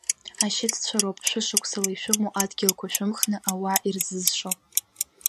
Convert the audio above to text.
Ашьыццәа роуп шәышықәсала ишәымоу адгьылқәа шәымхны ауаа ирзызшо.